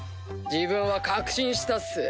自分は確信したっす。